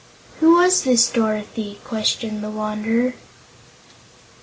"Who was this Dorothy?" questioned the Wanderer.